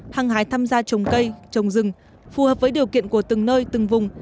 hàng hải tham gia trồng cây trồng rừng phù hợp với điều kiện của từng nơi từng vùng